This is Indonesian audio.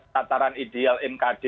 tataran ideal mkd